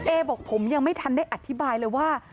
บอกผมยังไม่ทันได้อธิบายเลยว่า